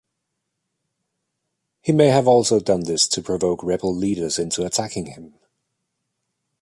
He may have also done this to provoke rebel leaders into attacking him.